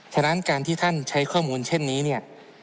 ฉะนั้นการท่านใช้ข้อมูลเช่นนี้